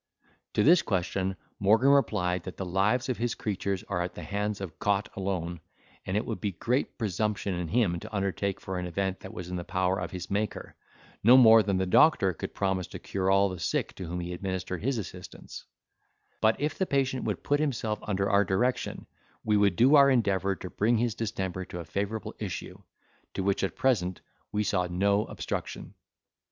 To this question, Morgan replied, that the lives of his creatures are at the hands of Cot alone; and it would be great presumption in him to undertake for an event that was in the power of his Maker, no more than the doctor could promise to cure all the sick to whom he administered his assistance; but if the patient would put himself under our direction, we would do our endeavour to bring his distemper to a favourable issue, to which at present we saw no obstruction.